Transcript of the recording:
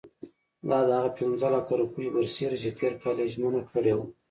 دا د هغه پنځه لکه روپیو برسېره چې تېر کال یې ژمنه کړې وه.